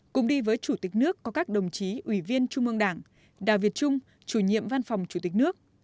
cùng đi với chủ tịch nước có các đồng chí ủy viên trung ương đảng đào việt trung chủ nhiệm văn phòng chủ tịch nước